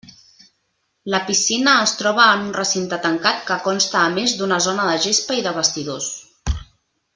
La piscina es troba en un recinte tancat que consta a més d'una zona de gespa i de vestidors.